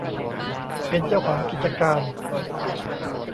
เป็นเจ้าของกิจการ